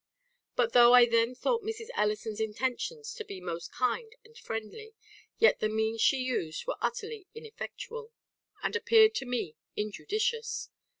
But though I then thought Mrs. Ellison's intentions to be most kind and friendly, yet the means she used were utterly ineffectual, and appeared to me injudicious.